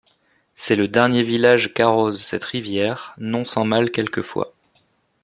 C'est le dernier village qu'arrose cette rivière, non sans mal quelquefois.